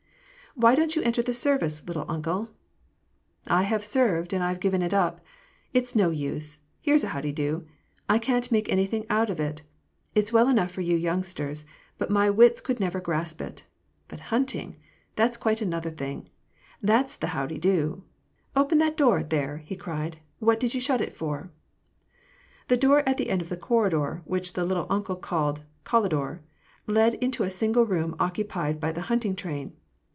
"Why don't you enter the service, * little uncle' ?"" I have served and I Ve given it up. It is no use — here's a how de do !— I can't make anything out of it. It's well enough for you youngsters, but my wits could never grasp it. But hunting ! That's quite another thing ! That's the how de do ! Open that door, there !" he cried. " What did you shut it for ?" The door at the end of the corridor — which the "little uncle" called collidor — led into a single room occupied by the hunting train.